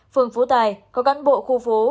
phường phú tài có cán bộ khu phố